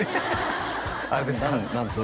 あれですか？